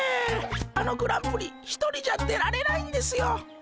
あのグランプリ一人じゃ出られないんですよ。